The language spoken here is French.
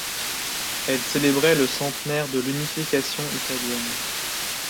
Elle célébrait le centenaire de l'unification italienne.